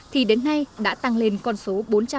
thì đến nay đã tăng lên con số bốn trăm một mươi tám